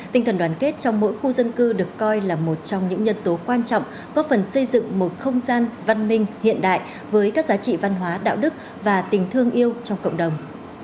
tinh thần đoàn kết trong mỗi khu dân cư được coi là một trong những nhân tố quan trọng góp phần xây dựng một không gian văn minh hiện đại với các giá trị văn hóa đạo đức và tình thương yêu trong cộng đồng